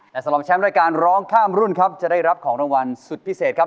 แต่สำหรับแชมป์รายการร้องข้ามรุ่นครับจะได้รับของรางวัลสุดพิเศษครับ